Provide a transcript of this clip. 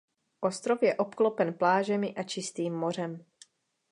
Ostrov je obklopen plážemi a čistým mořem.